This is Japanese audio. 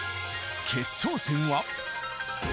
決勝戦は。